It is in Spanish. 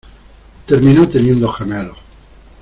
Terminó teniendo gemelos.